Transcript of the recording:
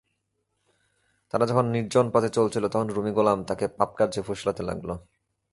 তারা যখন নির্জন পথে চলছিলেন তখন রুমী গোলাম তাকে পাপকার্যে ফুসলাতে লাগল।